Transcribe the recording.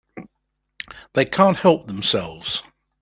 They can't help themselves.